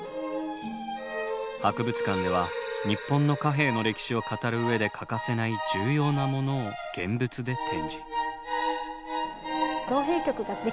博物館では日本の貨幣の歴史を語る上で欠かせない重要なものを現物で展示。